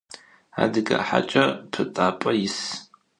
Adıge haç'e pıtap'e yis.